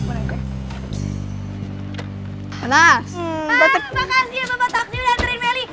makasih ya bapak taksi udah ngerin meli